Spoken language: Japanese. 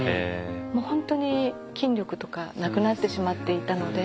もう本当に筋力とかなくなってしまっていたので。